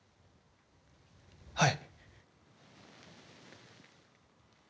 はい。